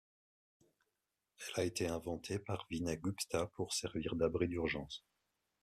Elle a été inventée par Vinay Gupta pour servir d'abri d'urgence.